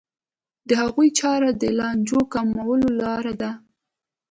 د هغوی چاره د لانجو کمولو لاره ده.